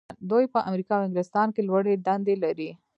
دوی په امریکا او انګلستان کې لوړې دندې لري.